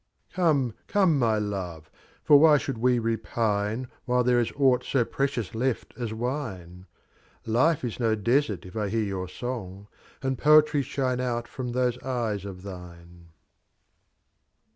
IX. Come, come, my Love; for why should YFe repine, While there is Aught su precious left as Wine? Lif* is ng Desert if I hear your Sang, And Poefry shine from out those Ejes of Thine.